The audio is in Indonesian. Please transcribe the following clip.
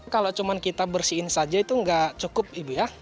kalau cuma kita bersihin saja itu nggak cukup ibu ya